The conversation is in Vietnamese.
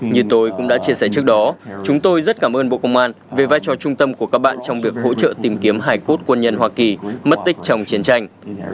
như tôi cũng đã chia sẻ trước đó chúng tôi rất cảm ơn bộ công an về vai trò trung tâm của các bạn trong việc hỗ trợ tìm kiếm hải cốt quân nhân hoa kỳ mất tích trong chiến tranh